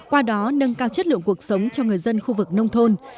qua đó nâng cao chất lượng cuộc sống cho người dân khu vực nông thôn